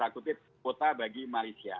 kuota bagi malaysia